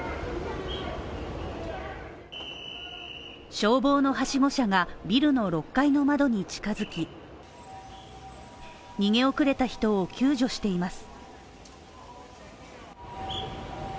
消防のはしご車がビルの６階の窓に近づき逃げ遅れた人を救助しています。